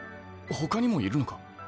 ほかにもいるのか？